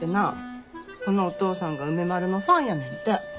そのお父さんが梅丸のファンやねんて。